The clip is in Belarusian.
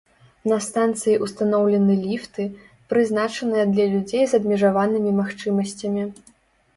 На станцыі ўстаноўлены ліфты, прызначаныя для людзей з абмежаванымі магчымасцямі.